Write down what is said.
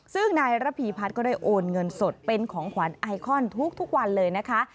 ซึ่งนายระพีพัฒน์ก็ได้โอนเงินสดเป็นของขวัญไอคอนทุกวันเลยนะคะ